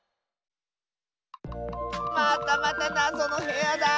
またまたなぞのへやだ！